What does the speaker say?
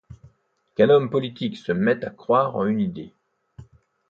Qu'un homme politique se mette à croire en une idée.